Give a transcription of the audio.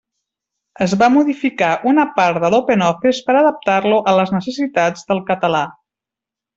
Es va modificar una part de l'OpenOffice per adaptar-lo a les necessitats del català.